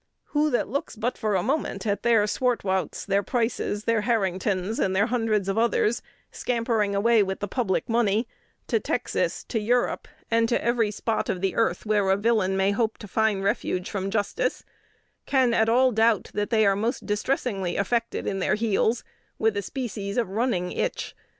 Who that looks but for a moment at their Swartwouts, their Prices, their Harringtons, and their hundreds of others, scampering away with the public money to Texas, to Europe, and to every spot of the earth where a villain may hope to find refuge from justice, can at all doubt that they are most distressingly affected in their heels with a species of 'running itch.'